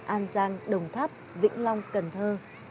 an giang đồng tháp vĩnh long cần thơ